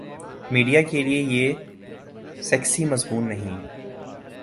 Media کیلئے یہ sexy مضمون نہیں۔